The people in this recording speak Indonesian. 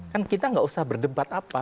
kan kita nggak usah berdebat apa